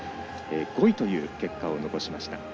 ５位という結果を残しました。